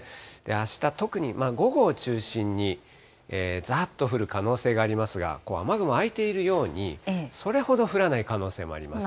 あした、特に午後を中心にざーっと降る可能性がありますが、雨雲あいているように、それほど降らない可能性もあります。